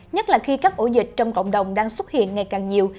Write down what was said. nhất là khi các ổ dịch trong cộng đồng đang xuất hiện ngày càng nhiều